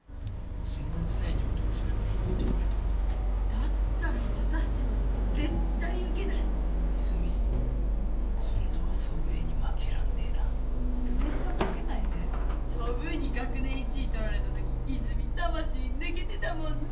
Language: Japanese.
先生にはどっちでもいいって言われたんだけどだったら私は絶対受けない泉今度は祖父江に負けらんねえなプレッシャーかけないでソブーに学年１位取られたとき泉魂抜けてたもんね